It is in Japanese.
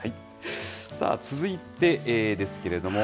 続いてですけれども。